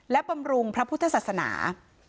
และบำรุงพระพุทธศาสนา